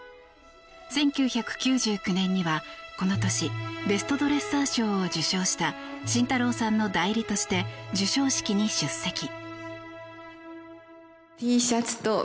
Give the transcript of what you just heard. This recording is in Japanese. １９９９年には、この年ベストドレッサー賞を受賞した慎太郎さんの代理として授賞式に出席。